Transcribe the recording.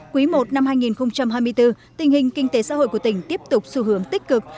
quý i năm hai nghìn hai mươi bốn tình hình kinh tế xã hội của tỉnh tiếp tục xu hướng tích cực